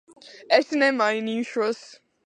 Es nemainīšos.